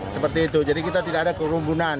seperti itu jadi kita tidak ada kerumbunan